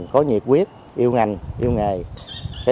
có nhiệt quyết yêu ngành yêu nghề